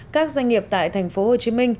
các doanh nghiệp tại tp hcm